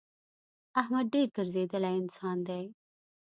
احمد ډېر ګرځېدلی انسان دی.